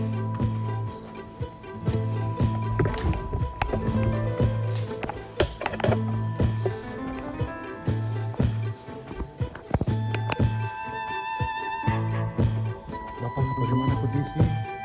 dapat berjalan jalan kondisi